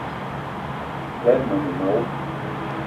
Lerma mema wo.